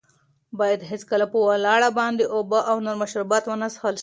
باید هېڅکله په ولاړه باندې اوبه او نور مشروبات ونه څښل شي.